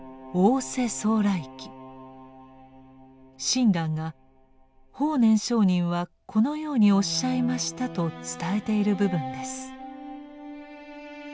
親鸞が「法然上人はこのようにおっしゃいました」と伝えている部分です。